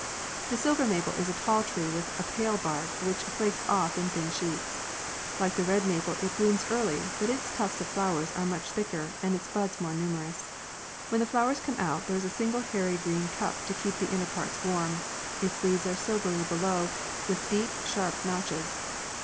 The silver maple is a tall tree with a pale bark, which flakes off in thin sheets. Like the red maple, it blooms early, but its tufts of flowers are much thicker, and its buds more numerous. When the flowers come out, there is a single hairy green cup to keep the inner parts warm. Its leaves are silvery below with deep, sharp notches.